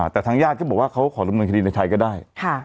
แต่ทางญาติก็บอกว่าเขาขอดำเนินคดีในไทยก็ได้